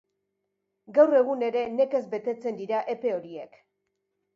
Gaur egun ere nekez betetzen dira epe horiek.